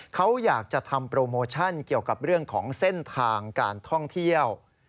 เขาอยากจะทำโปรโมชั่นเกี่ยวกับเรื่องของเส้นทางการท่องเที่ยว